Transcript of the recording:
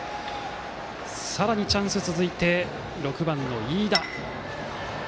さらにチャンスが続いて６番の飯田。